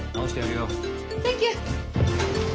センキュー。